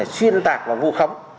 xuyên tạc vào vụ khóng